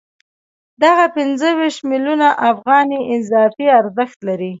دغه پنځه ویشت میلیونه افغانۍ اضافي ارزښت دی